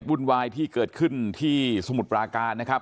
วุ่นวายที่เกิดขึ้นที่สมุทรปราการนะครับ